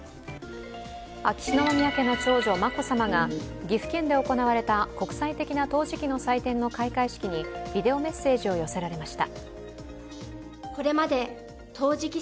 秋篠宮家の長女・眞子さまが岐阜県で行われた国際的な陶磁器の祭典の開会式にビデオメッセージを寄せられました。